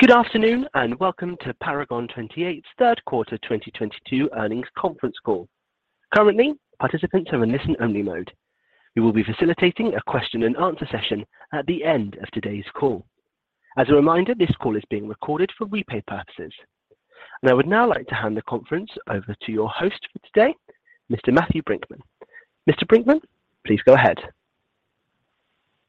Good afternoon and welcome to Paragon 28's Third Quarter 2022 Earnings Conference Call. Currently, participants are in listen-only mode. We will be facilitating a question and answer session at the end of today's call. As a reminder, this call is being recorded for replay purposes. I would now like to hand the conference over to your host for today, Mr. Matt Brinckman. Mr. Brinckman, please go ahead.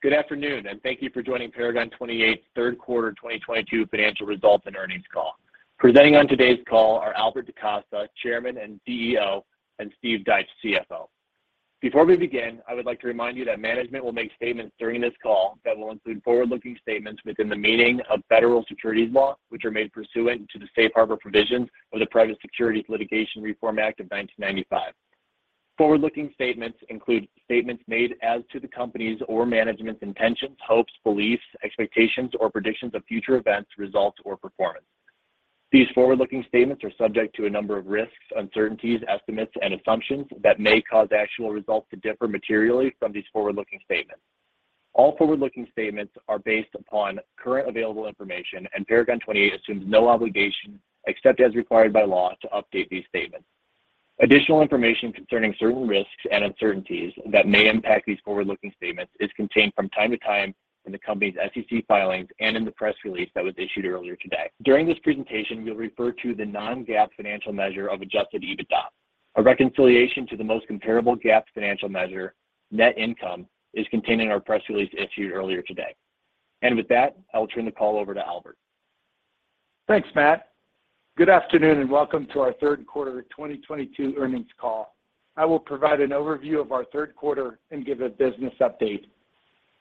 Good afternoon and thank you for joining Paragon 28's third quarter 2022 financial results and earnings call. Presenting on today's call are Albert DaCosta, Chairman and CEO, and Steve Deitsch, CFO. Before we begin, I would like to remind you that management will make statements during this call that will include forward-looking statements within the meaning of federal securities law, which are made pursuant to the safe harbor provisions of the Private Securities Litigation Reform Act of 1995. Forward-looking statements include statements made as to the company's or management's intentions, hopes, beliefs, expectations, or predictions of future events, results, or performance. These forward-looking statements are subject to a number of risks, uncertainties, estimates, and assumptions that may cause actual results to differ materially from these forward-looking statements. All forward-looking statements are based upon current available information, and Paragon 28 assumes no obligation, except as required by law, to update these statements. Additional information concerning certain risks and uncertainties that may impact these forward-looking statements is contained from time to time in the company's SEC filings and in the press release that was issued earlier today. During this presentation, we'll refer to the non-GAAP financial measure of adjusted EBITDA. A reconciliation to the most comparable GAAP financial measure, net income, is contained in our press release issued earlier today. With that, I will turn the call over to Albert. Thanks Matt. Good afternoon and welcome to our third quarter 2022 earnings call. I will provide an overview of our third quarter and give a business update.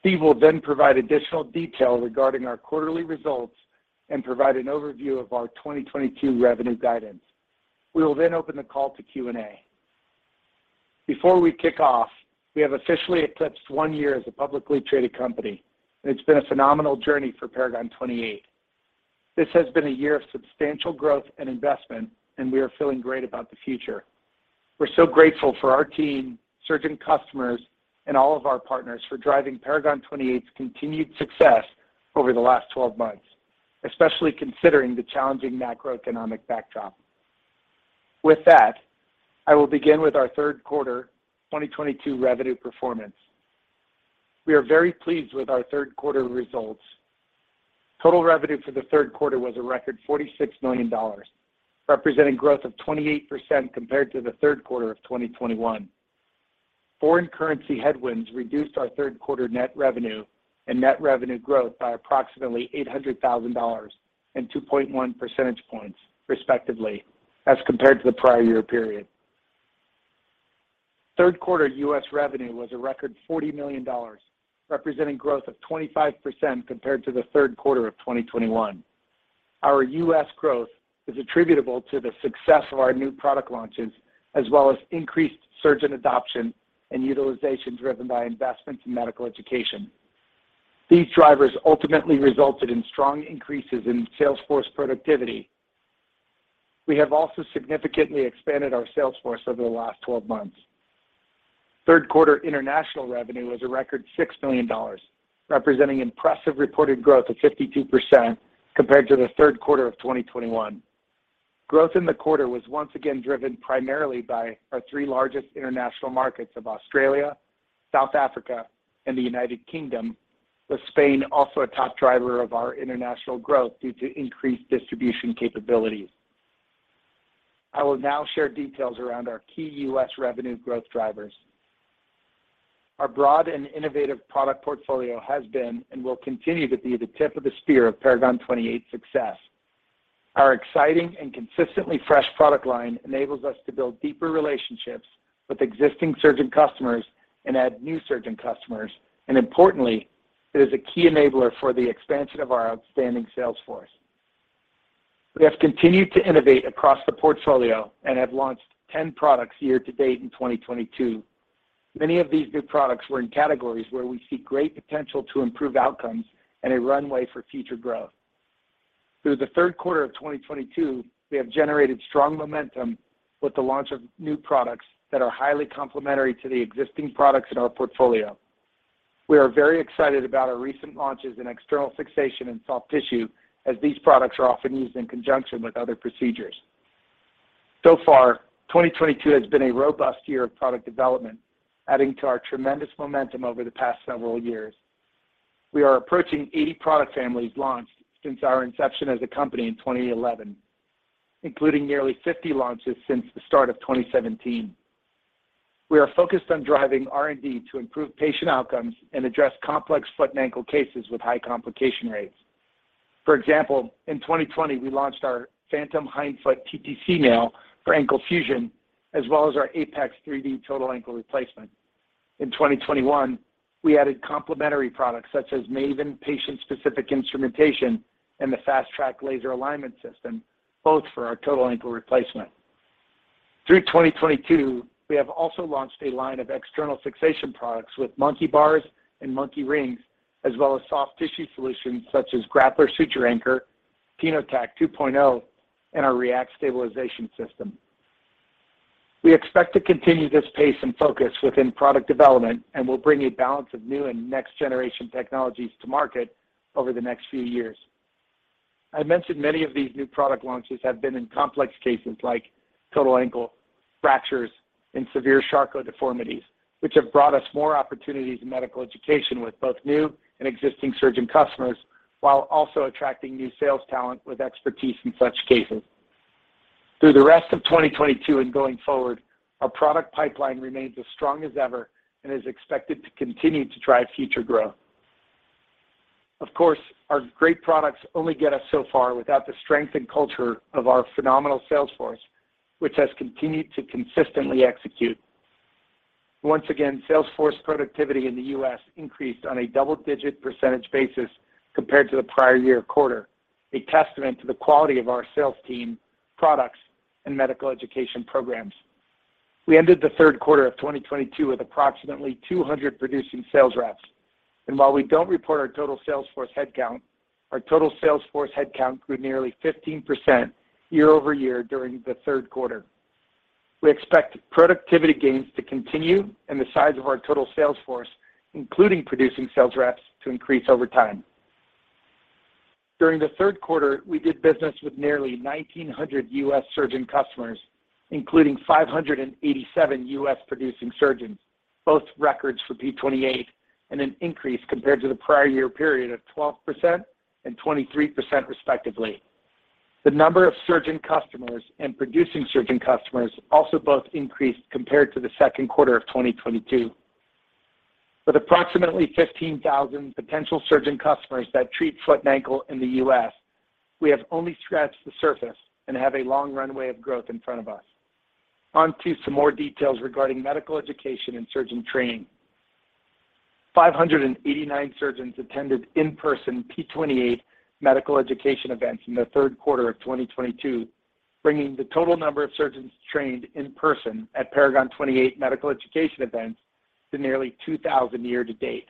Steve will then provide additional detail regarding our quarterly results and provide an overview of our 2022 revenue guidance. We will then open the call to Q&A. Before we kick off, we have officially eclipsed one year as a publicly traded company, and it's been a phenomenal journey for Paragon 28. This has been a year of substantial growth and investment, and we are feeling great about the future. We're so grateful for our team, surgeon customers, and all of our partners for driving Paragon 28's continued success over the last 12 months, especially considering the challenging macroeconomic backdrop. With that, I will begin with our third quarter 2022 revenue performance. We are very pleased with our third quarter results. Total revenue for the third quarter was a record $46 million, representing growth of 28% compared to the third quarter of 2021. Foreign currency headwinds reduced our third quarter net revenue and net revenue growth by approximately $800,000 and 2.1 percentage points, respectively, as compared to the prior year period. Third quarter U.S. revenue was a record $40 million, representing growth of 25% compared to the third quarter of 2021. Our U.S. growth is attributable to the success of our new product launches as well as increased surgeon adoption and utilization driven by investments in medical education. These drivers ultimately resulted in strong increases in sales force productivity. We have also significantly expanded our sales force over the last 12 months. Third quarter international revenue was a record $6 million, representing impressive reported growth of 52% compared to the third quarter of 2021. Growth in the quarter was once again driven primarily by our three largest international markets of Australia, South Africa, and the United Kingdom, with Spain also a top driver of our international growth due to increased distribution capabilities. I will now share details around our key U.S. revenue growth drivers. Our broad and innovative product portfolio has been and will continue to be the tip of the spear of Paragon 28's success. Our exciting and consistently fresh product line enables us to build deeper relationships with existing surgeon customers and add new surgeon customers, and importantly, it is a key enabler for the expansion of our outstanding sales force. We have continued to innovate across the portfolio and have launched 10 products year to date in 2022. Many of these new products were in categories where we see great potential to improve outcomes and a runway for future growth. Through the third quarter of 2022, we have generated strong momentum with the launch of new products that are highly complementary to the existing products in our portfolio. We are very excited about our recent launches in external fixation and soft tissue as these products are often used in conjunction with other procedures. So far, 2022 has been a robust year of product development, adding to our tremendous momentum over the past several years. We are approaching 80 product families launched since our inception as a company in 2011, including nearly 50 launches since the start of 2017. We are focused on driving R&D to improve patient outcomes and address complex foot and ankle cases with high complication rates. For example, in 2020 we launched our Phantom Hindfoot TTC Nail for ankle fusion, as well as our APEX 3D total ankle replacement. In 2021, we added complementary products such as MAVEN patient-specific instrumentation and the FasTrac laser alignment system, both for our total ankle replacement. Through 2022, we have also launched a line of external fixation products with Monkey Bars and Monkey Rings, as well as soft tissue solutions such as Grappler Suture Anchor, TenoTac 2.0, and our R3ACT Stabilization System. We expect to continue this pace and focus within product development, and we'll bring a balance of new and next-generation technologies to market over the next few years. I mentioned many of these new product launches have been in complex cases like total ankle fractures and severe Charcot deformities, which have brought us more opportunities in medical education with both new and existing surgeon customers, while also attracting new sales talent with expertise in such cases. Through the rest of 2022 and going forward, our product pipeline remains as strong as ever and is expected to continue to drive future growth. Of course, our great products only get us so far without the strength and culture of our phenomenal sales force, which has continued to consistently execute. Once again, sales force productivity in the U.S. increased on a double-digit percent basis compared to the prior year quarter, a testament to the quality of our sales team, products, and medical education programs. We ended the third quarter of 2022 with approximately 200 producing sales reps. While we don't report our total sales force headcount, our total sales force headcount grew nearly 15% year-over-year during the third quarter. We expect productivity gains to continue and the size of our total sales force, including producing sales reps, to increase over time. During the third quarter, we did business with nearly 1,900 U.S. surgeon customers, including 587 U.S. producing surgeons, both records for P28 and an increase compared to the prior year period of 12% and 23% respectively. The number of surgeon customers and producing surgeon customers also both increased compared to the second quarter of 2022. With approximately 15,000 potential surgeon customers that treat foot and ankle in the U.S., we have only scratched the surface and have a long runway of growth in front of us. On to some more details regarding medical education and surgeon training, 589 surgeons attended in-person P28 medical education events in the third quarter of 2022, bringing the total number of surgeons trained in person at Paragon 28 medical education events to nearly 2,000 year to date.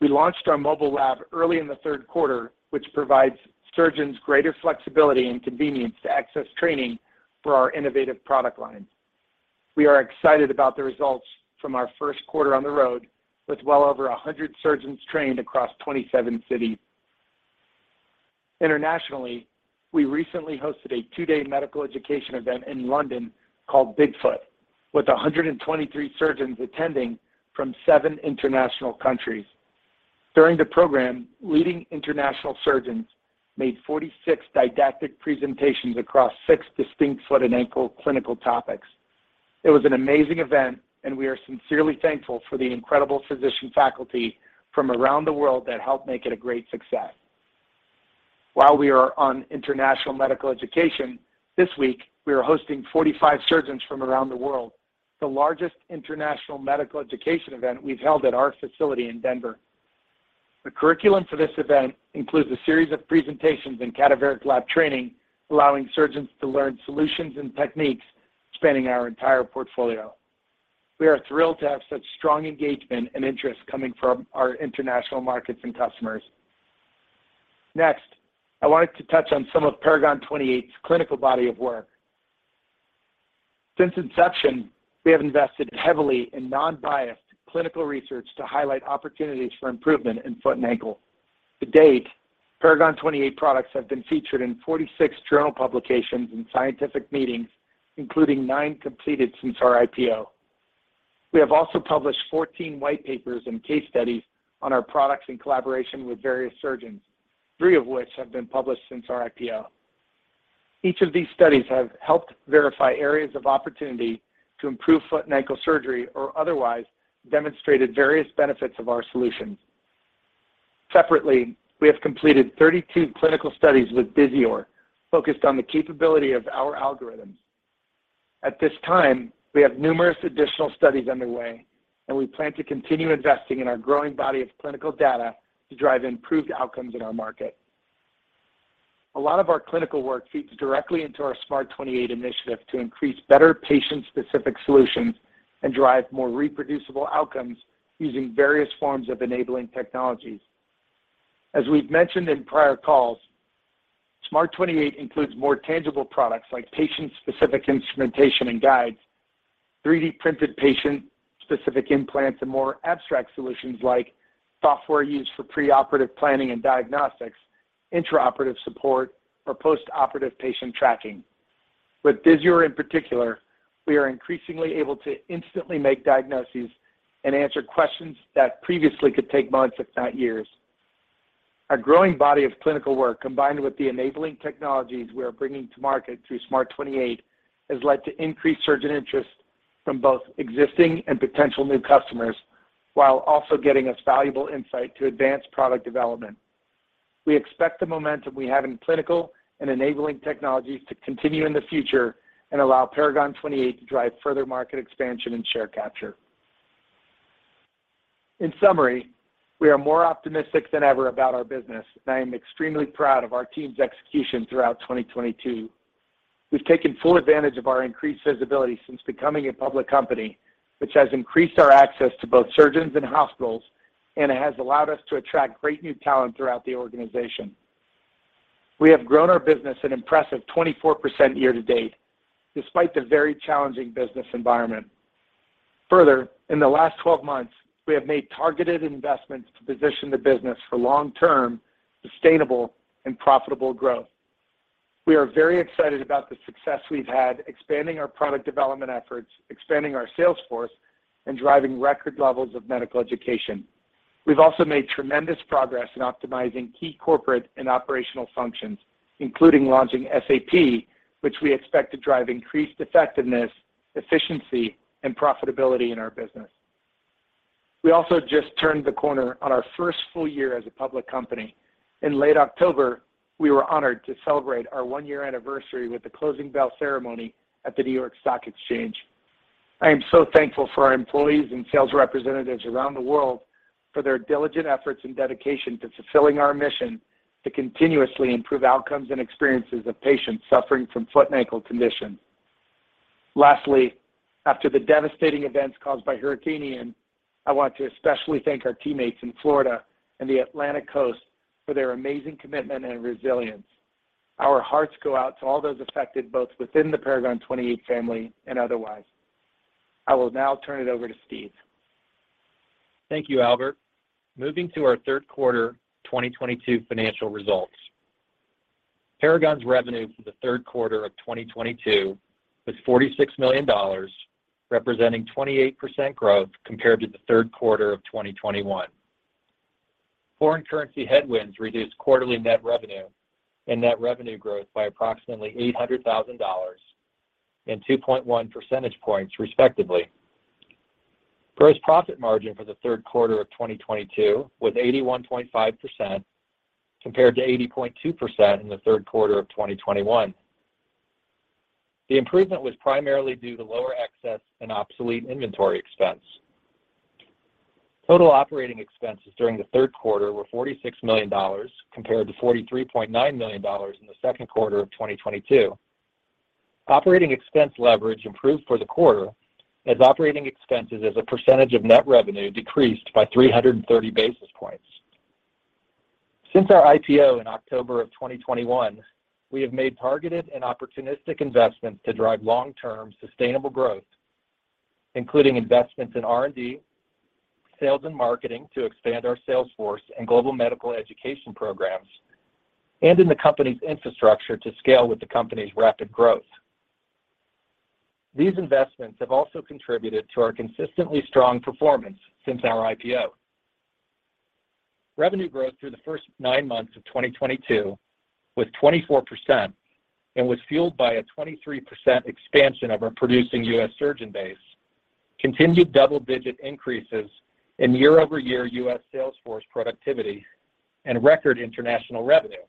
We launched our mobile lab early in the third quarter, which provides surgeons greater flexibility and convenience to access training for our innovative product lines. We are excited about the results from our first quarter on the road, with well over 100 surgeons trained across 27 cities. Internationally, we recently hosted a two-day medical education event in London called Bigfoot, with 123 surgeons attending from seven international countries. During the program, leading international surgeons made 46 didactic presentations across six distinct foot and ankle clinical topics. It was an amazing event and we are sincerely thankful for the incredible physician faculty from around the world that helped make it a great success. While we are on international medical education, this week we are hosting 45 surgeons from around the world, the largest international medical education event we've held at our facility in Denver. The curriculum for this event includes a series of presentations and cadaveric lab training, allowing surgeons to learn solutions and techniques spanning our entire portfolio. We are thrilled to have such strong engagement and interest coming from our international markets and customers. Next, I wanted to touch on some of Paragon 28's clinical body of work. Since inception, we have invested heavily in non-biased clinical research to highlight opportunities for improvement in foot and ankle. To date, Paragon 28 products have been featured in 46 journal publications and scientific meetings, including nine completed since our IPO. We have also published 14 white papers and case studies on our products in collaboration with various surgeons, three of which have been published since our IPO. Each of these studies have helped verify areas of opportunity to improve foot and ankle surgery or otherwise demonstrated various benefits of our solutions. Separately, we have completed 32 clinical studies with Disior focused on the capability of our algorithms. At this time, we have numerous additional studies underway, and we plan to continue investing in our growing body of clinical data to drive improved outcomes in our market. A lot of our clinical work feeds directly into our SMART28 initiative to increase better patient-specific solutions and drive more reproducible outcomes using various forms of enabling technologies. As we've mentioned in prior calls, SMART28 includes more tangible products like patient-specific instrumentation and guides, 3D-printed patient-specific implants and more abstract solutions like software used for preoperative planning and diagnostics, intraoperative support or postoperative patient tracking. With Disior in particular, we are increasingly able to instantly make diagnoses and answer questions that previously could take months, if not years. Our growing body of clinical work, combined with the enabling technologies we are bringing to market through SMART28, has led to increased surgeon interest from both existing and potential new customers while also getting us valuable insight to advance product development. We expect the momentum we have in clinical and enabling technologies to continue in the future and allow Paragon 28 to drive further market expansion and share capture. In summary, we are more optimistic than ever about our business, and I am extremely proud of our team's execution throughout 2022. We've taken full advantage of our increased visibility since becoming a public company, which has increased our access to both surgeons and hospitals, and it has allowed us to attract great new talent throughout the organization. We have grown our business an impressive 24% year to date despite the very challenging business environment. Further, in the last 12 months, we have made targeted investments to position the business for long-term, sustainable, and profitable growth. We are very excited about the success we've had expanding our product development efforts, expanding our sales force, and driving record levels of medical education. We've also made tremendous progress in optimizing key corporate and operational functions, including launching SAP, which we expect to drive increased effectiveness, efficiency, and profitability in our business. We also just turned the corner on our first full year as a public company. In late October, we were honored to celebrate our one-year anniversary with the closing bell ceremony at the New York Stock Exchange. I am so thankful for our employees and sales representatives around the world for their diligent efforts and dedication to fulfilling our mission to continuously improve outcomes and experiences of patients suffering from foot and ankle conditions. Lastly, after the devastating events caused by Hurricane Ian, I want to especially thank our teammates in Florida and the Atlantic Coast for their amazing commitment and resilience. Our hearts go out to all those affected, both within the Paragon 28 family and otherwise. I will now turn it over to Steve. Thank you Albert. Moving to our third quarter 2022 financial results. Paragon 28's revenue for the third quarter of 2022 was $46 million, representing 28% growth compared to the third quarter of 2021. Foreign currency headwinds reduced quarterly net revenue and net revenue growth by approximately $800,000 and 2.1 percentage points, respectively. Gross profit margin for the third quarter of 2022 was 81.5% compared to 80.2% in the third quarter of 2021. The improvement was primarily due to lower excess and obsolete inventory expense. Total operating expenses during the third quarter were $46 million compared to $43.9 million in the second quarter of 2022. Operating expense leverage improved for the quarter as operating expenses as a percentage of net revenue decreased by 330 basis points. Since our IPO in October of 2021, we have made targeted and opportunistic investments to drive long-term sustainable growth, including investments in R&D, sales and marketing to expand our sales force and global medical education programs, and in the company's infrastructure to scale with the company's rapid growth. These investments have also contributed to our consistently strong performance since our IPO. Revenue growth through the first nine months of 2022 was 24% and was fueled by a 23% expansion of our practicing U.S. surgeon base, continued double-digit increases in year-over-year U.S. sales force productivity, and record international revenue,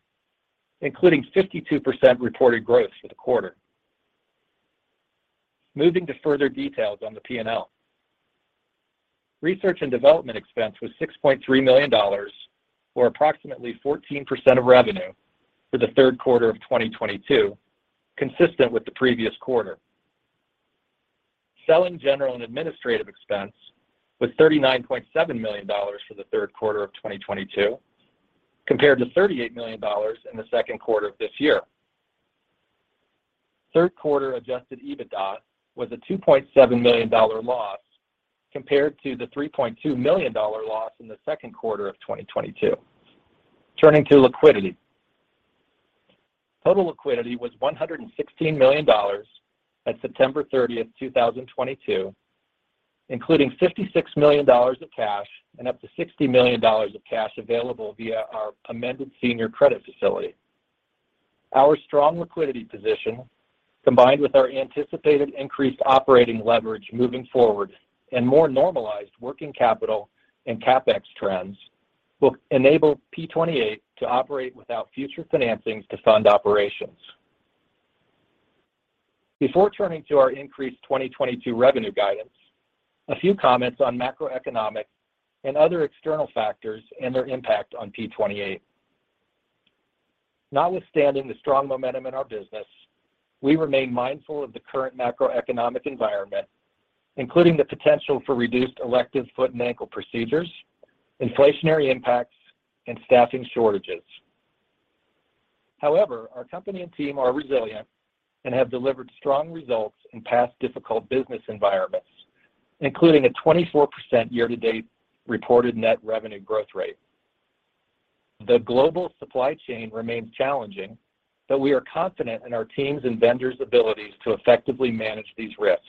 including 52% reported growth for the quarter. Moving to further details on the P&L. Research and development expense was $6.3 million, or approximately 14% of revenue for the third quarter of 2022, consistent with the previous quarter. Selling, general and administrative expense was $39.7 million for the third quarter of 2022 compared to $38 million in the second quarter of this year. Third quarter adjusted EBITDA was a $2.7 million loss compared to the $3.2 million loss in the second quarter of 2022. Turning to liquidity. Total liquidity was $116 million at September 30, 2022, including $56 million of cash and up to $60 million of cash available via our amended senior credit facility. Our strong liquidity position, combined with our anticipated increased operating leverage moving forward and more normalized working capital and CapEx trends, will enable P28 to operate without future financings to fund operations. Before turning to our increased 2022 revenue guidance, a few comments on macroeconomic and other external factors and their impact on P28. Notwithstanding the strong momentum in our business, we remain mindful of the current macroeconomic environment, including the potential for reduced elective foot and ankle procedures, inflationary impacts, and staffing shortages. However, our company and team are resilient and have delivered strong results in past difficult business environments, including a 24% year-to-date reported net revenue growth rate. The global supply chain remains challenging, but we are confident in our teams and vendors' abilities to effectively manage these risks.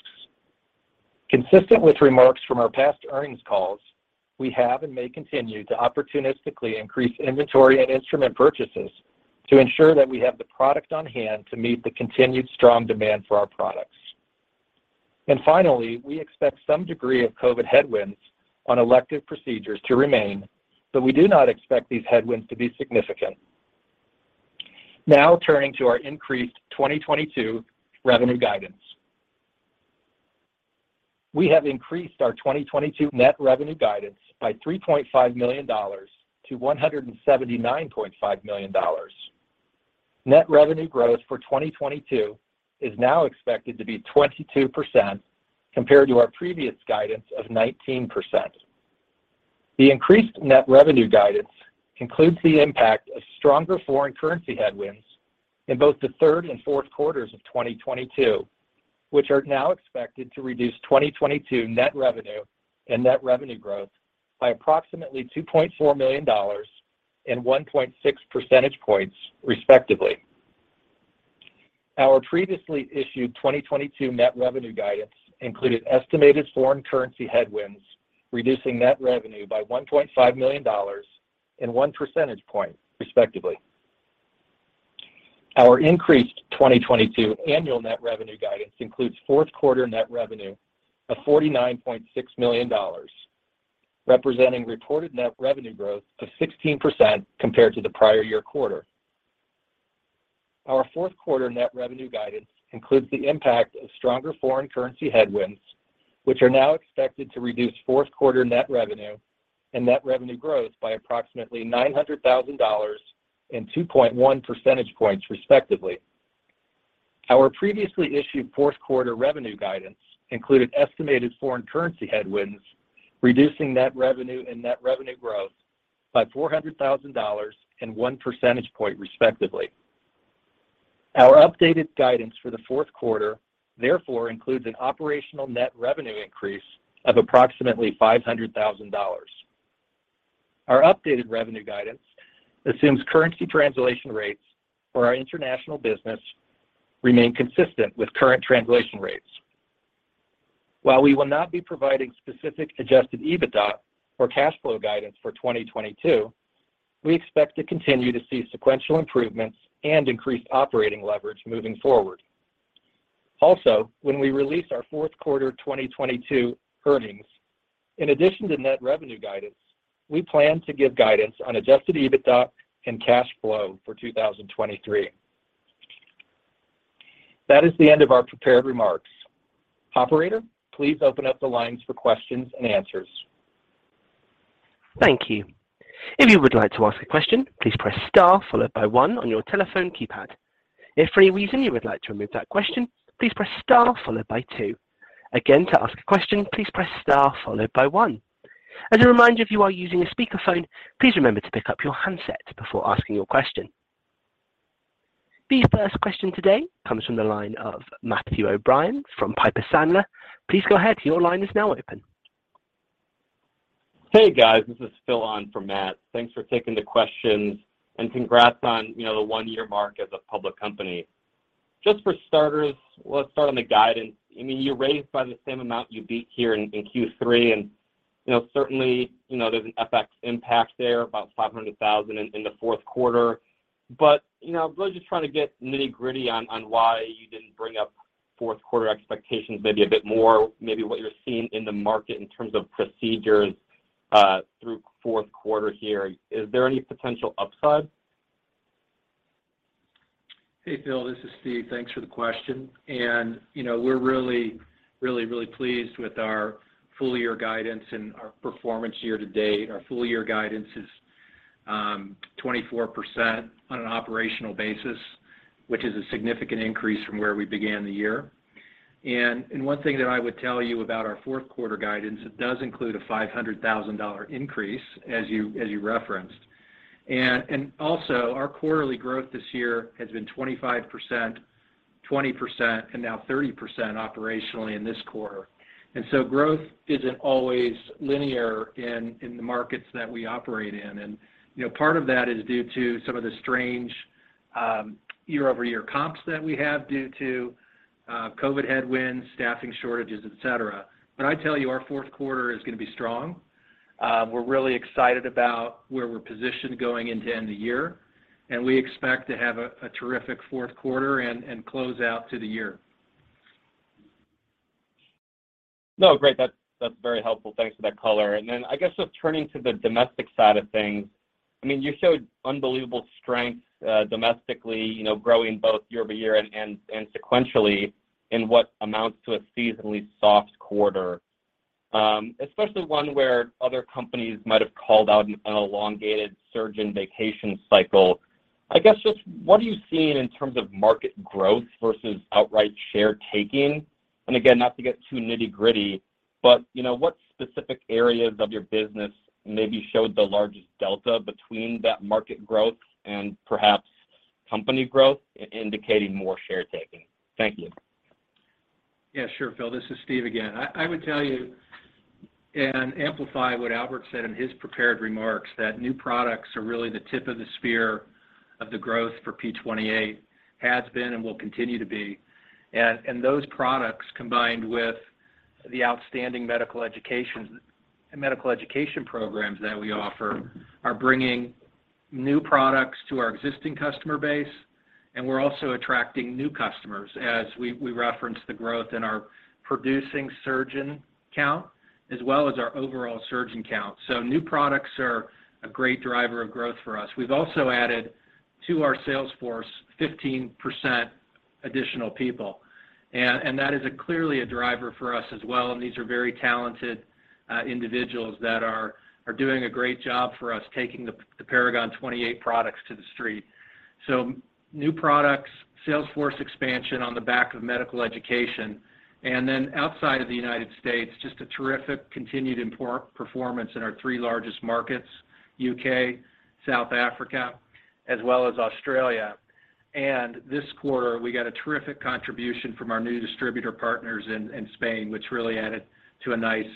Consistent with remarks from our past earnings calls, we have and may continue to opportunistically increase inventory and instrument purchases to ensure that we have the product on hand to meet the continued strong demand for our products. Finally, we expect some degree of COVID headwinds on elective procedures to remain, but we do not expect these headwinds to be significant. Now turning to our increased 2022 revenue guidance. We have increased our 2022 net revenue guidance by $3.5 million to $179.5 million. Net revenue growth for 2022 is now expected to be 22% compared to our previous guidance of 19%. The increased net revenue guidance includes the impact of stronger foreign currency headwinds in both the third and fourth quarters of 2022, which are now expected to reduce 2022 net revenue and net revenue growth by approximately $2.4 million and 1.6 percentage points, respectively. Our previously issued 2022 net revenue guidance included estimated foreign currency headwinds, reducing net revenue by $1.5 million and 1 percentage point, respectively. Our increased 2022 annual net revenue guidance includes fourth quarter net revenue of $49.6 million, representing reported net revenue growth of 16% compared to the prior year quarter. Our fourth quarter net revenue guidance includes the impact of stronger foreign currency headwinds, which are now expected to reduce fourth quarter net revenue and net revenue growth by approximately $900,000 and 2.1 percentage points, respectively. Our previously issued fourth quarter revenue guidance included estimated foreign currency headwinds, reducing net revenue and net revenue growth by $400,000 and 1 percentage point, respectively. Our updated guidance for the fourth quarter therefore includes an operational net revenue increase of approximately $500,000. Our updated revenue guidance assumes currency translation rates for our international business remain consistent with current translation rates. While we will not be providing specific adjusted EBITDA or cash flow guidance for 2022, we expect to continue to see sequential improvements and increased operating leverage moving forward. Also, when we release our fourth quarter 2022 earnings, in addition to net revenue guidance, we plan to give guidance on adjusted EBITDA and cash flow for 2023. That is the end of our prepared remarks. Operator, please open up the lines for questions and answers. Thank you. If you would like to ask a question, please press star followed by one on your telephone keypad. If for any reason you would like to remove that question, please press star followed by two. Again, to ask a question, please press star followed by one. As a reminder, if you are using a speakerphone, please remember to pick up your handset before asking your question. The first question today comes from the line of Matthew O'Brien from Piper Sandler. Please go ahead. Your line is now open. Hey guys, this is Phil on for Matt. Thanks for taking the questions and congrats on, you know, the one-year mark as a public company. Just for starters, let's start on the guidance. I mean, you raised by the same amount you beat here in Q3 and you know, certainly, you know, there's an FX impact there about $500,000 in the fourth quarter. You know, I was just trying to get nitty-gritty on why you didn't bring up fourth quarter expectations maybe a bit more? Maybe what you're seeing in the market in terms of procedures through fourth quarter here. Is there any potential upside? Hey Phil, this is Steve. Thanks for the question. You know, we're really pleased with our full year guidance and our performance year to date. Our full year guidance is 24% on an operational basis, which is a significant increase from where we began the year. One thing that I would tell you about our fourth quarter guidance, it does include a $500,000 increase as you referenced. Also our quarterly growth this year has been 25%, 20%, and now 30% operationally in this quarter. Growth isn't always linear in the markets that we operate in. You know, part of that is due to some of the strange year-over-year comps that we have due to COVID headwinds, staffing shortages, etc.. I tell you, our fourth quarter is going to be strong. We're really excited about where we're positioned going into the end of the year and we expect to have a terrific fourth quarter and close out to the year. No, great. That's very helpful, thanks for that color. I guess just turning to the domestic side of things. I mean, you showed unbelievable strength, domestically, you know, growing both year-over-year and sequentially in what amounts to a seasonally soft quarter. Especially one where other companies might have called out an elongated surgeon vacation cycle. I guess just what are you seeing in terms of market growth versus outright share taking? Again, not to get too nitty-gritty, but, you know, what specific areas of your business maybe showed the largest delta between that market growth and perhaps company growth indicating more share taking? Thank you. Yeah, sure. Phil, this is Steve again. I would tell you and amplify what Albert said in his prepared remarks that new products are really the tip of the spear of the growth for P28, has been and will continue to be. Those products combined with the outstanding medical education programs that we offer are bringing new products to our existing customer base, and we're also attracting new customers as we reference the growth in our producing surgeon count as well as our overall surgeon count. New products are a great driver of growth for us. We've also added to our sales force 15% additional people. That is clearly a driver for us as well, and these are very talented individuals that are doing a great job for us taking the Paragon 28 products to the street. New products, sales force expansion on the back of medical education. Outside of the United States, just a terrific continued implant performance in our three largest markets, U.K., South Africa, as well as Australia. This quarter, we got a terrific contribution from our new distributor partners in Spain, which really added to a nice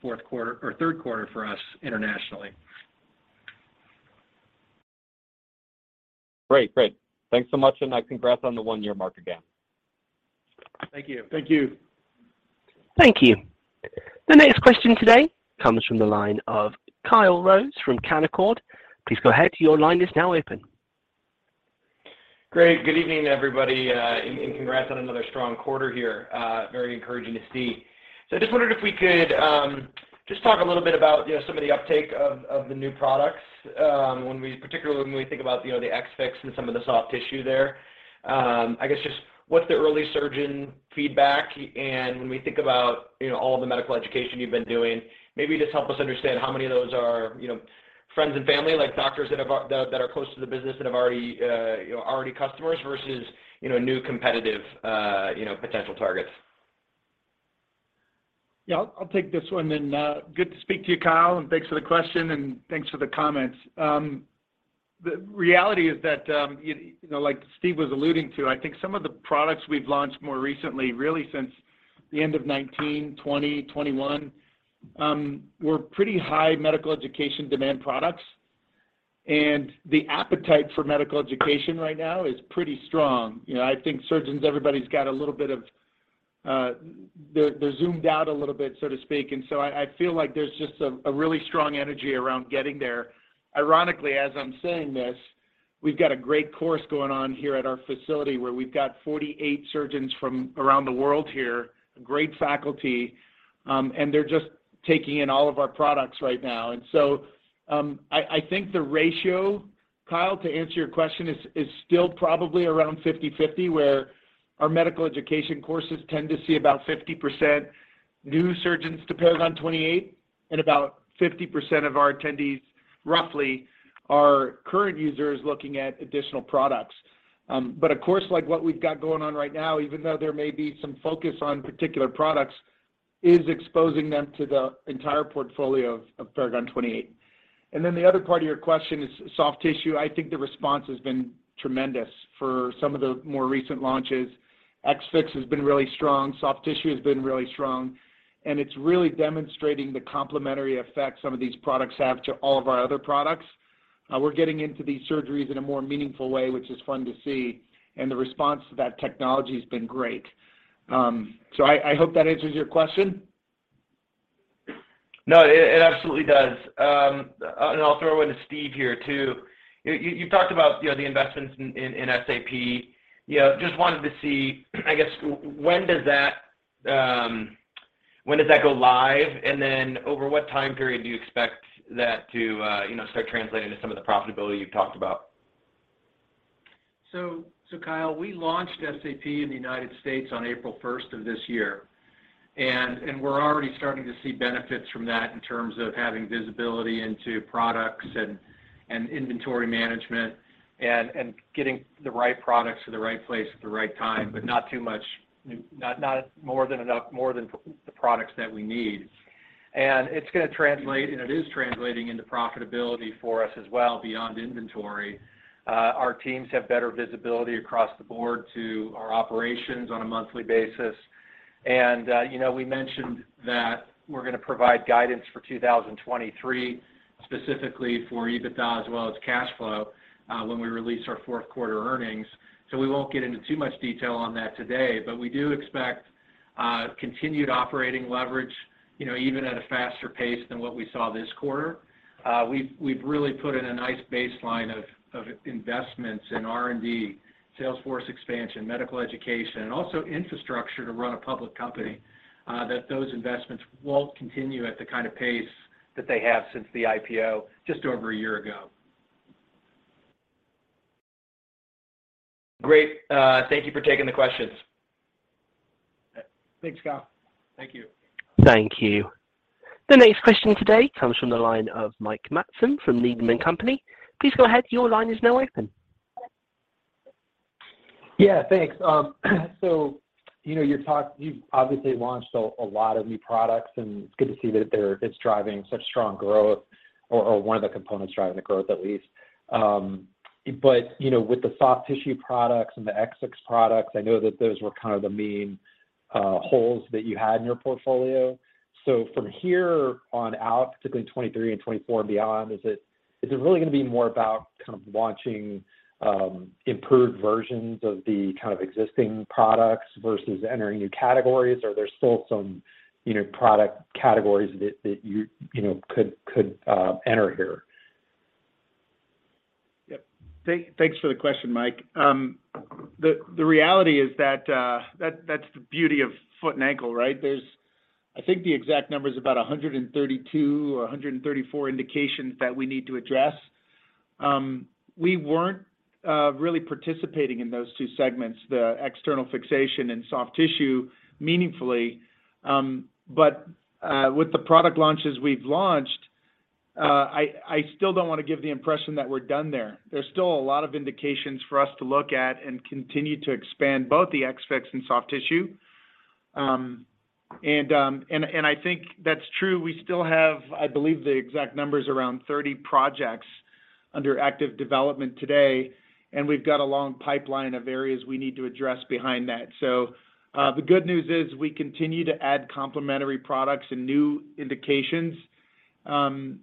fourth quarter or third quarter for us internationally. Great. Thanks so much and congrats on the one-year mark again. Thank you. Thank you. Thank you. The next question today comes from the line of Kyle Rose from Canaccord. Please go ahead, your line is now open. Great, good evening everybody and congrats on another strong quarter here, very encouraging to see. I just wondered if we could just talk a little bit about, you know, some of the uptake of the new products, particularly when we think about, you know, the X-Fix and some of the soft tissue there. I guess just what's the early surgeon feedback? And when we think about, you know, all the medical education you've been doing? Maybe just help us understand how many of those are, you know, friends and family, like doctors that are close to the business that have already, you know, are already customers versus, you know, new competitive, you know, potential targets? Yeah. I'll take this one, good to speak to you Kyle, and thanks for the question and thanks for the comments. The reality is that, you know, like Steve was alluding to, I think some of the products we've launched more recently, really since the end of 2019, 2020, 2021, were pretty high medical education demand products. The appetite for medical education right now is pretty strong. You know, I think surgeons, everybody's got a little bit of, they're zoomed out a little bit, so to speak. I feel like there's just a really strong energy around getting there. Ironically, as I'm saying this, we've got a great course going on here at our facility where we've got 48 surgeons from around the world here, a great faculty, and they're just taking in all of our products right now. I think the ratio, Kyle, to answer your question, is still probably around 50/50, where our medical education courses tend to see about 50% new surgeons to Paragon 28, and about 50% of our attendees roughly are current users looking at additional products. A course like what we've got going on right now, even though there may be some focus on particular products, is exposing them to the entire portfolio of Paragon 28. The other part of your question is soft tissue. I think the response has been tremendous for some of the more recent launches X-Fix has been really strong. Soft tissue has been really strong. It's really demonstrating the complementary effect some of these products have to all of our other products. We're getting into these surgeries in a more meaningful way, which is fun to see. The response to that technology has been great. I hope that answers your question. No, it absolutely does. I'll throw it to Steve here too. You talked about, you know, the investments in SAP. You know, just wanted to see, I guess, when does that go live? Then over what time period do you expect that to, you know, start translating to some of the profitability you've talked about? Kyle, we launched SAP in the United States on April 1st of this year, and we're already starting to see benefits from that in terms of having visibility into products and inventory management and getting the right products to the right place at the right time, but not too much, not more than enough, more than the products that we need. It's gonna translate, and it is translating into profitability for us as well beyond inventory. Our teams have better visibility across the board to our operations on a monthly basis. You know, we mentioned that we're gonna provide guidance for 2023, specifically for EBITDA as well as cash flow, when we release our fourth quarter earnings. We won't get into too much detail on that today. We do expect continued operating leverage, you know, even at a faster pace than what we saw this quarter. We've really put in a nice baseline of investments in R&D, sales force expansion, medical education, and also infrastructure to run a public company. Those investments won't continue at the kind of pace that they have since the IPO just over a year ago. Great, thank you for taking the questions. Thanks Kyle. Thank you. Thank you. The next question today comes from the line of Mike Matson from Needham & Company. Please go ahead, your line is now open. Yeah, thanks. So, you know, you've obviously launched a lot of new products, and it's good to see that it's driving such strong growth or one of the components driving the growth at least. But, you know, with the soft tissue products and the X-Fix products, I know that those were kind of the main holes that you had in your portfolio. From here on out, particularly 2023 and 2024 and beyond, is it really gonna be more about kind of launching improved versions of the kind of existing products versus entering new categories? Or are there still some, you know, product categories that you know could enter here? Yep. Thanks for the question Mike. The reality is that that's the beauty of foot and ankle, right? There's I think the exact number is about 132 or 134 indications that we need to address. We weren't really participating in those two segments, the external fixation and soft tissue meaningfully. But with the product launches we've launched, I still don't wanna give the impression that we're done there. There's still a lot of indications for us to look at and continue to expand both the X-Fix and soft tissue. And I think that's true. We still have, I believe, the exact number is around 30 projects under active development today, and we've got a long pipeline of areas we need to address behind that. The good news is we continue to add complementary products and new indications. You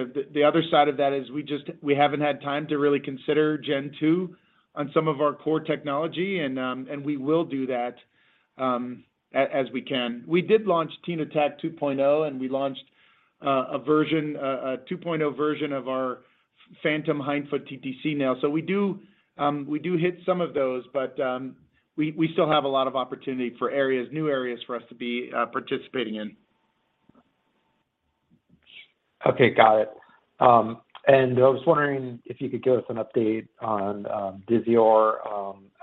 know, the other side of that is we haven't had time to really consider gen two on some of our core technology, and we will do that, as we can. We did launch TenoTac 2.0, and we launched a 2.0 version of our Phantom Hindfoot TTC now. We do hit some of those, but we still have a lot of opportunity for areas, new areas for us to be participating in. Okay. Got it. I was wondering if you could give us an update on Disior.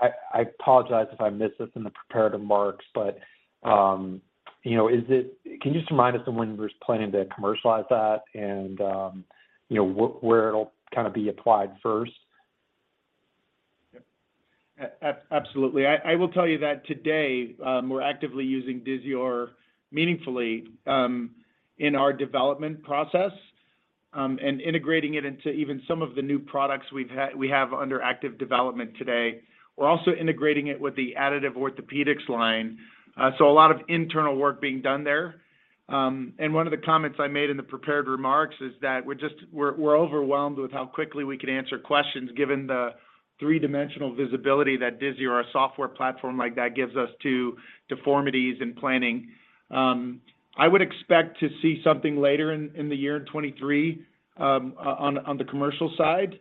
I apologize if I missed this in the prepared remarks, but you know, can you just remind us of when we're planning to commercialize that and you know, where it'll kinda be applied first? Yep. Absolutely. I will tell you that today, we're actively using Disior meaningfully in our development process and integrating it into even some of the new products we have under active development today. We're also integrating it with the Additive Orthopaedics line. A lot of internal work being done there. One of the comments I made in the prepared remarks is that we're overwhelmed with how quickly we can answer questions given the three-dimensional visibility that Disior, a software platform like that, gives us to deformities and planning. I would expect to see something later in the year in 2023 on the commercial side.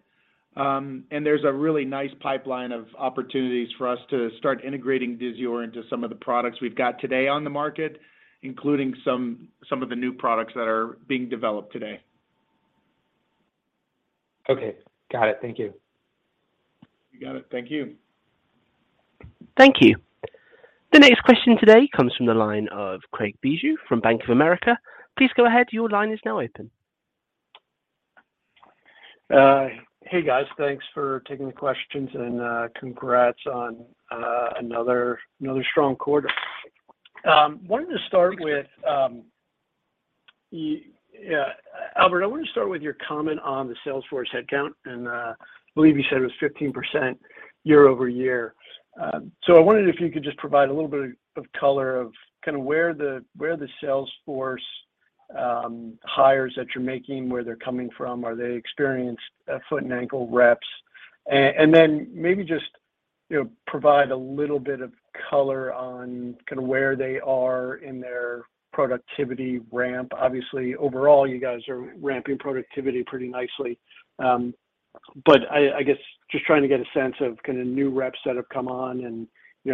There's a really nice pipeline of opportunities for us to start integrating Disior into some of the products we've got today on the market, including some of the new products that are being developed today. Okay. Got it, thank you. You got it, thank you. Thank you. The next question today comes from the line of Craig Bijlani from Bank of America. Please go ahead. Your line is now open. Hey, guys. Thanks for taking the questions, and congrats on another strong quarter. Albert, I wanted to start with your comment on the Salesforce headcount, and I believe you said it was 15% year-over-year. I wondered if you could just provide a little bit of color on kinda where the Salesforce hires that you're making, where they're coming from. Are they experienced foot and ankle reps? And then maybe just, you know, provide a little bit of color on kinda where they are in their productivity ramp? Obviously, overall, you guys are ramping productivity pretty nicely. I guess just trying to get a sense of kinda new reps that have come on and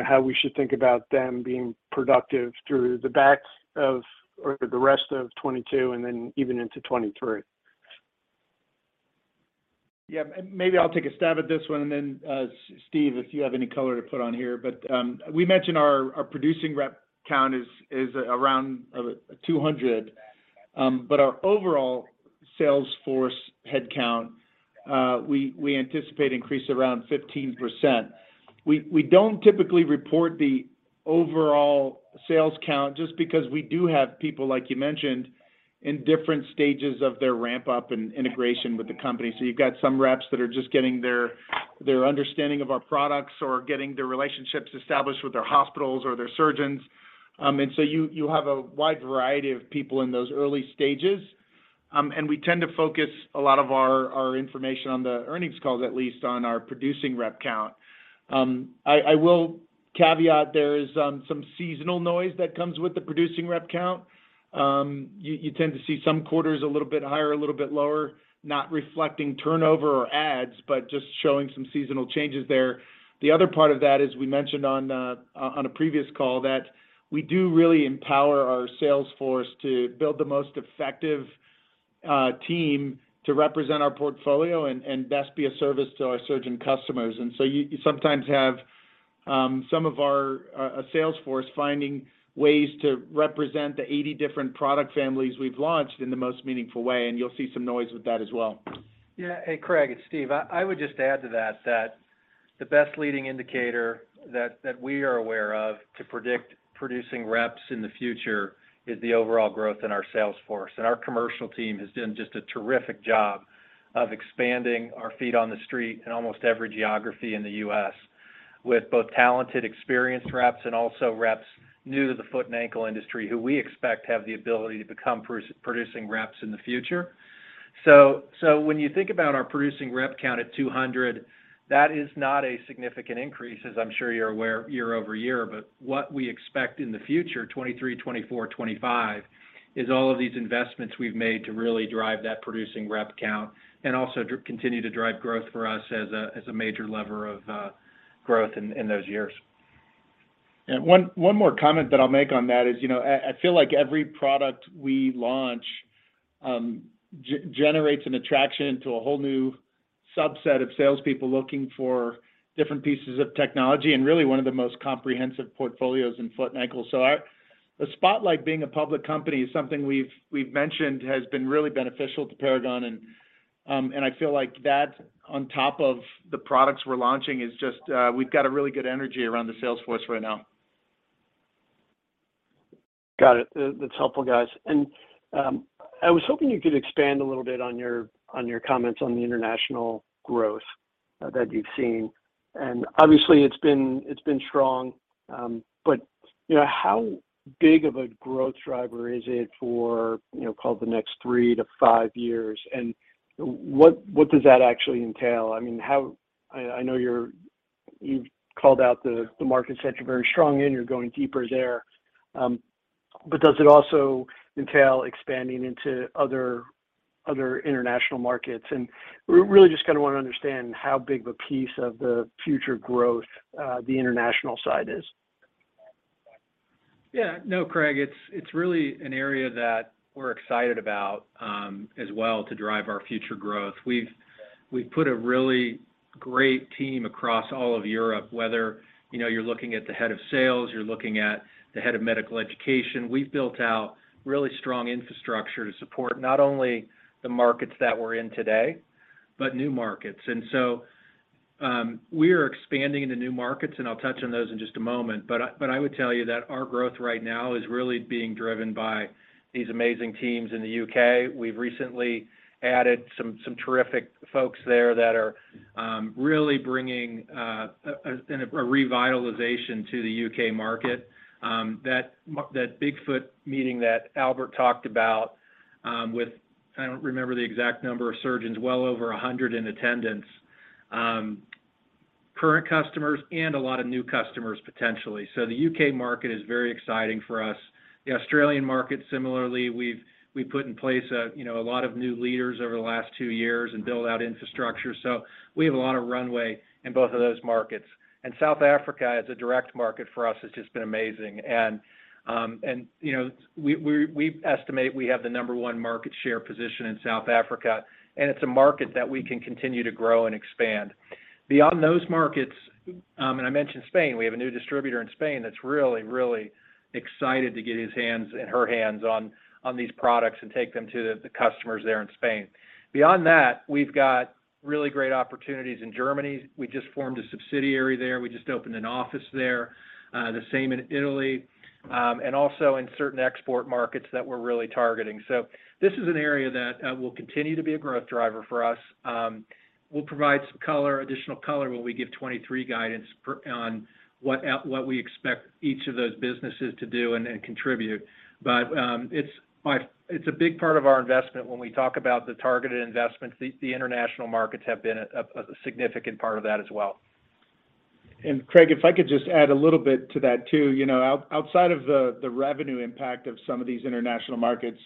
how we should think about them being productive through the back half of 2022 and then even into 2023. Yeah. Maybe I'll take a stab at this one and then Steve, if you have any color to put on here. We mentioned our producing rep count is around 200. Our overall sales force headcount, we anticipate increase around 15%. We don't typically report the overall sales count just because we do have people, like you mentioned, in different stages of their ramp-up and integration with the company. You've got some reps that are just getting their understanding of our products or getting their relationships established with their hospitals or their surgeons. You have a wide variety of people in those early stages. We tend to focus a lot of our information on the earnings calls, at least on our producing rep count. I will caveat there is some seasonal noise that comes with the producing rep count. You tend to see some quarters a little bit higher, a little bit lower, not reflecting turnover or adds, but just showing some seasonal changes there. The other part of that is we mentioned on a previous call that we do really empower our sales force to build the most effective team to represent our portfolio and best be a service to our surgeon customers. You sometimes have some of our sales force finding ways to represent the 80 different product families we've launched in the most meaningful way, and you'll see some noise with that as well. Yeah. He, Craig, it's Steve. I would just add to that the best leading indicator that we are aware of to predict producing reps in the future is the overall growth in our sales force. Our commercial team has done just a terrific job of expanding our feet on the street in almost every geography in the U.S., with both talented, experienced reps and also reps new to the foot and ankle industry, who we expect have the ability to become producing reps in the future. When you think about our producing rep count at 200, that is not a significant increase, as I'm sure you're aware, year-over-year. What we expect in the future, 2023, 2024, 2025, is all of these investments we've made to really drive that producing rep count and also continue to drive growth for us as a major lever of growth in those years. One more comment that I'll make on that is, you know, I feel like every product we launch generates an attraction to a whole new subset of salespeople looking for different pieces of technology, and really one of the most comprehensive portfolios in foot and ankle. The spotlight being a public company is something we've mentioned has been really beneficial to Paragon, and I feel like that on top of the products we're launching is just we've got a really good energy around the sales force right now. Got it. That's helpful, guys. I was hoping you could expand a little bit on your comments on the international growth that you've seen. Obviously, it's been strong, but you know, how big of a growth driver is it for, you know, call it the next three to five years? What does that actually entail? I mean, I know you've called out the markets that you're very strong in, you're going deeper there, but does it also entail expanding into other international markets? Really just kinda wanna understand how big of a piece of the future growth the international side is? Yeah. No Craig, it's really an area that we're excited about as well to drive our future growth. We've put a really great team across all of Europe, whether, you know, you're looking at the head of sales, you're looking at the head of medical education. We've built out really strong infrastructure to support not only the markets that we're in today, but new markets. We are expanding into new markets, and I'll touch on those in just a moment. I would tell you that our growth right now is really being driven by these amazing teams in the U.K.. We've recently added some terrific folks there that are really bringing a revitalization to the U.K. market. That Bigfoot meeting that Albert talked about, with I don't remember the exact number of surgeons, well over 100 in attendance, current customers and a lot of new customers potentially. The U.K. market is very exciting for us. The Australian market similarly, we've put in place, you know, a lot of new leaders over the last two years and built out infrastructure. We have a lot of runway in both of those markets. South Africa as a direct market for us has just been amazing. We estimate we have the number one market share position in South Africa, and it's a market that we can continue to grow and expand. Beyond those markets, and I mentioned Spain, we have a new distributor in Spain that's really excited to get his hands and her hands on these products and take them to the customers there in Spain. Beyond that, we've got really great opportunities in Germany. We just formed a subsidiary there. We just opened an office there. The same in Italy, and also in certain export markets that we're really targeting. This is an area that will continue to be a growth driver for us. We'll provide some color, additional color when we give 2023 guidance on what we expect each of those businesses to do and contribute. It's a big part of our investment when we talk about the targeted investments. The international markets have been a significant part of that as well. Craig, if I could just add a little bit to that too. You know, outside of the revenue impact of some of these international markets,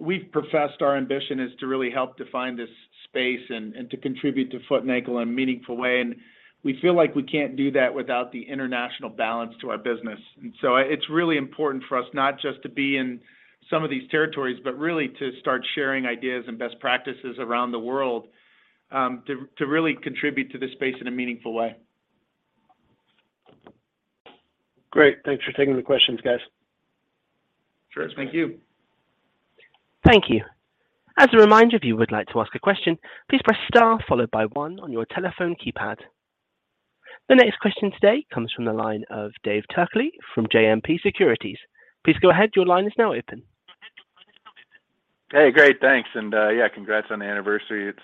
we've professed our ambition is to really help define this space and to contribute to foot and ankle in a meaningful way. We feel like we can't do that without the international balance to our business. So it's really important for us not just to be in some of these territories, but really to start sharing ideas and best practices around the world, to really contribute to this space in a meaningful way. Great. Thanks for taking the questions guys. Sure. Thank you. Thank you. As a reminder, if you would like to ask a question, please press star followed by one on your telephone keypad. The next question today comes from the line of Dave Turkaly from JMP Securities. Please go ahead, your line is now open. Hey great, thanks. Yeah, congrats on the anniversary. It's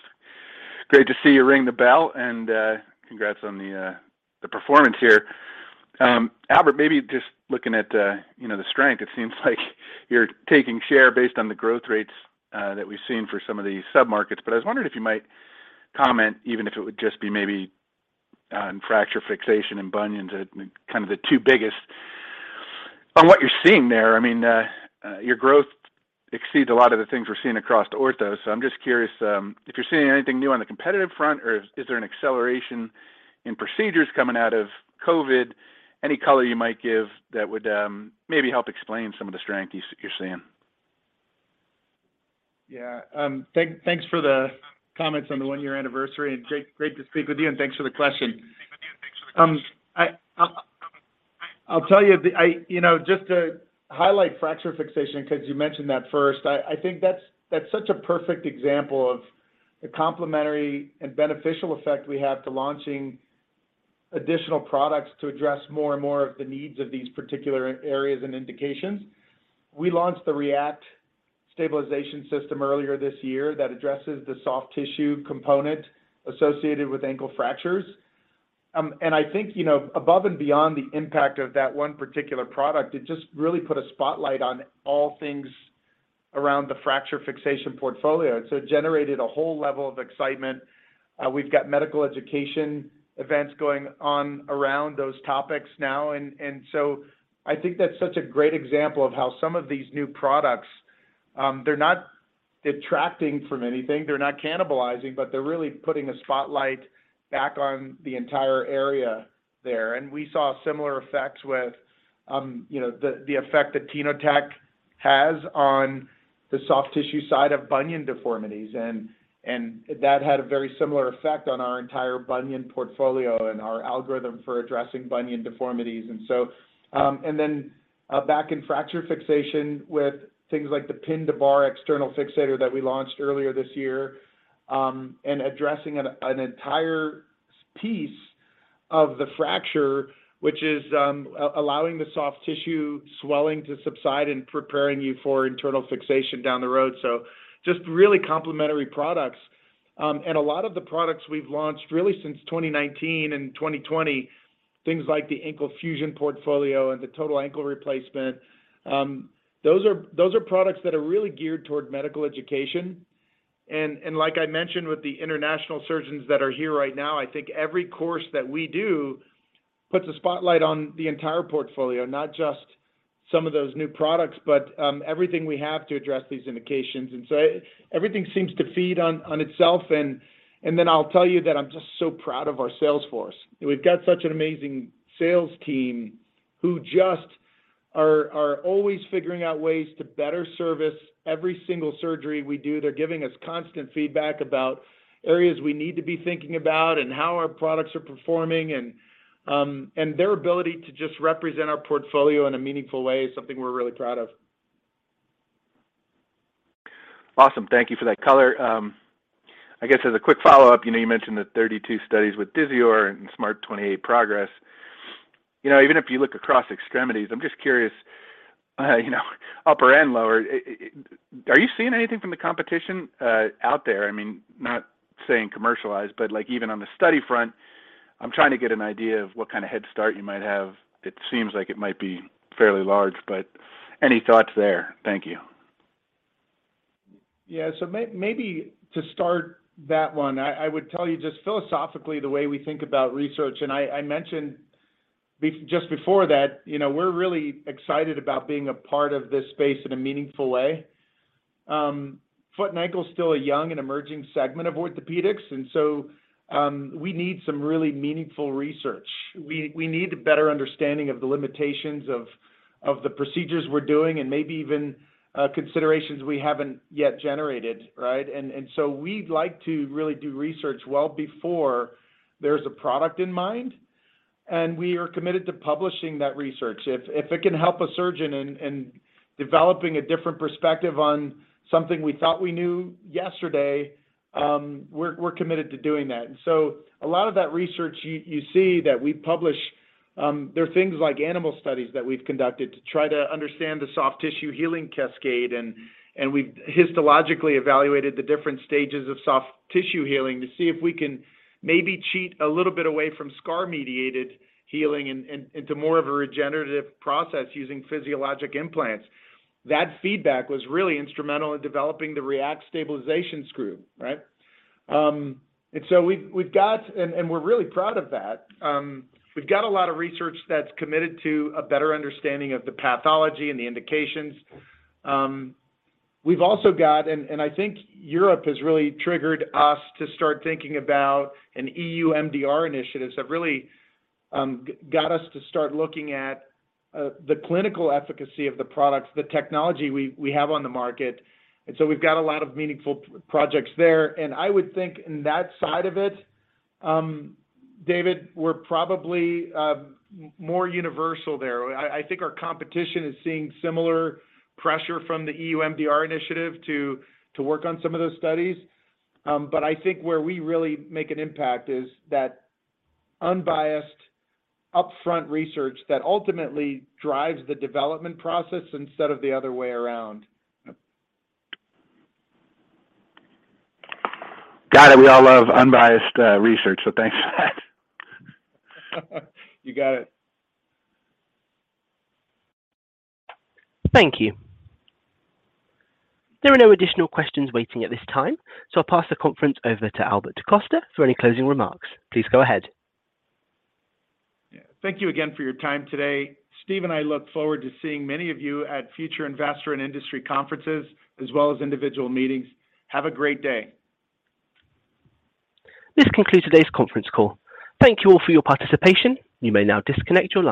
great to see you ring the bell and congrats on the performance here. Albert, maybe just looking at you know the strength, it seems like you're taking share based on the growth rates that we've seen for some of these sub-markets. I was wondering if you might comment, even if it would just be maybe on fracture fixation and bunions as kind of the two biggest, on what you're seeing there? I mean, your growth exceeds a lot of the things we're seeing across ortho. I'm just curious if you're seeing anything new on the competitive front, or is there an acceleration in procedures coming out of COVID. Any color you might give that would maybe help explain some of the strength you're seeing. Yeah, thanks for the comments on the one-year anniversary and Dave, great to speak with you, and thanks for the question. I'll tell you. You know, just to highlight fracture fixation, 'cause you mentioned that first. I think that's such a perfect example of the complementary and beneficial effect we have to launching additional products to address more and more of the needs of these particular areas and indications. We launched the R3ACT Stabilization System earlier this year that addresses the soft tissue component associated with ankle fractures. I think, you know, above and beyond the impact of that one particular product, it just really put a spotlight on all things around the fracture fixation portfolio. It generated a whole level of excitement. We've got medical education events going on around those topics now. I think that's such a great example of how some of these new products, they're not detracting from anything, they're not cannibalizing, but they're really putting a spotlight back on the entire area there. We saw similar effects with you know the effect that TenoTac has on the soft tissue side of bunion deformities, and that had a very similar effect on our entire bunion portfolio and our algorithm for addressing bunion deformities. Back in fracture fixation with things like the Pin to Bar external fixator that we launched earlier this year, and addressing an entire piece of the fracture, which is allowing the soft tissue swelling to subside and preparing you for internal fixation down the road. Just really complementary products. A lot of the products we've launched really since 2019 and 2020, things like the ankle fusion portfolio and the total ankle replacement, those are products that are really geared toward medical education. Like I mentioned with the international surgeons that are here right now, I think every course that we do puts a spotlight on the entire portfolio, not just some of those new products, but everything we have to address these indications. Everything seems to feed on itself and then I'll tell you that I'm just so proud of our sales force. We've got such an amazing sales team who just are always figuring out ways to better service every single surgery we do. They're giving us constant feedback about areas we need to be thinking about and how our products are performing, and their ability to just represent our portfolio in a meaningful way is something we're really proud of. Awesome, thank you for that color. I guess as a quick follow-up, you know, you mentioned the 32 studies with Disior and SMART28 progress. You know, even if you look across extremities, I'm just curious, you know, upper and lower, are you seeing anything from the competition, out there? I mean, not saying commercialized, but like even on the study front, I'm trying to get an idea of what kind of head start you might have. It seems like it might be fairly large, but any thoughts there? Thank you. Yeah, to start that one, I would tell you just philosophically the way we think about research, and I mentioned just before that, you know, we're really excited about being a part of this space in a meaningful way. Foot and ankle is still a young and emerging segment of orthopedics, and we need some really meaningful research. We need a better understanding of the limitations of the procedures we're doing and maybe even considerations we haven't yet generated, right? We'd like to really do research well before there's a product in mind, and we are committed to publishing that research. If it can help a surgeon in developing a different perspective on something we thought we knew yesterday, we're committed to doing that. A lot of that research you see that we publish, they're things like animal studies that we've conducted to try to understand the soft tissue healing cascade and we've histologically evaluated the different stages of soft tissue healing to see if we can maybe cheat a little bit away from scar mediated healing and into more of a regenerative process using physiologic implants. That feedback was really instrumental in developing the R3ACT stabilization screw, right? We're really proud of that. We've got a lot of research that's committed to a better understanding of the pathology and the indications. We've also got and I think Europe has really triggered us to start thinking about EU MDR initiatives have really got us to start looking at the clinical efficacy of the products, the technology we have on the market. We've got a lot of meaningful projects there. I would think in that side of it, Dave we're probably more universal there. I think our competition is seeing similar pressure from the EU MDR initiative to work on some of those studies. I think where we really make an impact is that unbiased upfront research that ultimately drives the development process instead of the other way around. Got it. We all love unbiased, research, so thanks for that. You got it. Thank you. There are no additional questions waiting at this time, so I'll pass the conference over to Albert DaCosta for any closing remarks. Please go ahead. Yeah, thank you again for your time today. Steve and I look forward to seeing many of you at future investor and industry conferences, as well as individual meetings. Have a great day. This concludes today's conference call. Thank you all for your participation. You may now disconnect your lines.